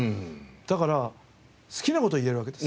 だから好きな事を言えるわけです。